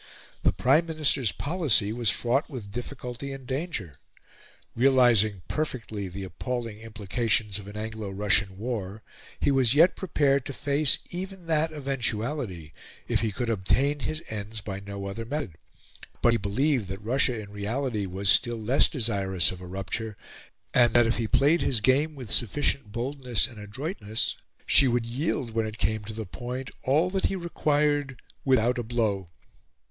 The Prime Minister's policy was fraught with difficulty and danger. Realising perfectly the appalling implications of an Anglo Russian war, he was yet prepared to face even that eventuality if he could obtain his ends by no other method; but he believed that Russia in reality was still less desirous of a rupture, and that, if he played his game with sufficient boldness and adroitness, she would yield, when it came to the point, all that he required without a blow.